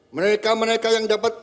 mereka mereka yang dapat